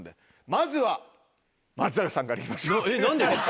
まずは松坂さんからいきましょう。